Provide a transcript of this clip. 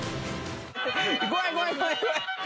怖い怖い怖い怖い！